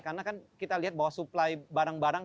karena kan kita lihat bahwa supply barang barang